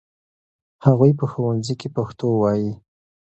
هغوی په ښوونځي کې پښتو وايي.